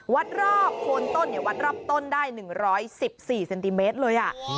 วัดรอบโคนต้นวัดรอบต้นได้๑๑๔เซนติเมตรเลย